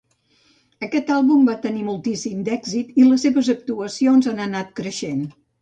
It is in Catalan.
Aquest àlbum va tenir moltíssim d'èxit i les seves actuacions han anat creixent.